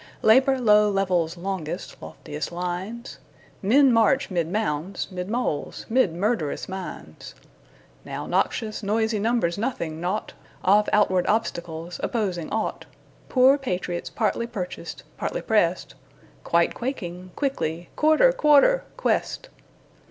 Labor low levels longest, lofiest lines; Men march 'mid mounds, 'mid moles, ' mid murderous mines; Now noxious, noisey numbers nothing, naught Of outward obstacles, opposing ought; Poor patriots, partly purchased, partly pressed, Quite quaking, quickly "Quarter! Quarter!" quest.